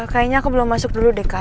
kayaknya aku belum masuk dulu deh kak